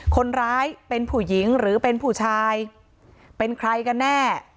คนร้ายเป็นผู้หญิงหรือเป็นผู้ชายเป็นใครกันแน่